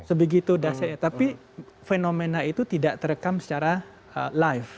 sebegitu dasarnya tapi fenomena itu tidak terekam secara live